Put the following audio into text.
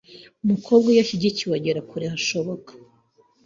Umukobwa iyo ashyigikiwe agera kure hashoboka